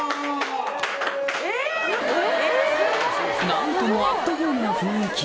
何ともアットホームな雰囲気